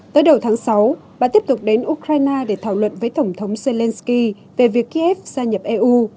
tới đầu tháng sáu bà tiếp tục đến ukraine để thảo luận với tổng thống zelensky về việc kiev gia nhập eu